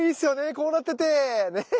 こうなっててね。